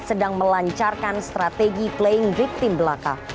sedang melancarkan strategi playing victim belaka